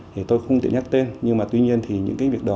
thì tôi không tiện nhắc tên nhưng mà tuy nhiên thì những cái việc đó